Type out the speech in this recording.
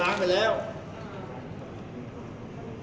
ฮอร์โมนถูกต้องไหม